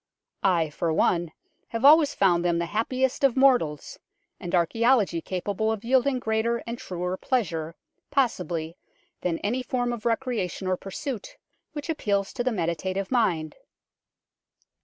I, for one, have always found them the happiest of mortals, and archaeology capable of yielding greater and truer pleasure, possibly, than any form of recreation or pursuit which appeals to the meditative mind."